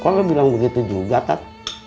kok lo bilang begitu juga tat